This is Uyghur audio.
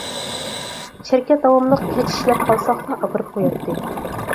شىركەت داۋاملىق كەچ ئىشلەپ قالساقلا ئاپىرىپ قوياتتى.